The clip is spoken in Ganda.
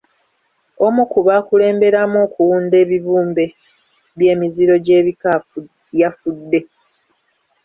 Omu ku baakulemberamu okuwunda ebibumbe by'emiziro gy'ebika yafudde.